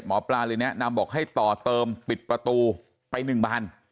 หมอปลาเลยแนะนำบอกให้ต่อเติมปิดประตูไป๑บาน